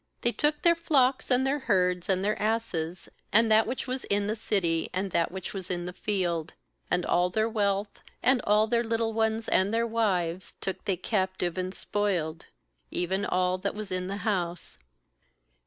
28They took their flocks and their herds and their asses, and that which was in the city and that which was in the field; 29and all their wealth, and all their little ones and their wives, took they captive 42 GENESIS 35 23 and spoiled, even all that was In the house.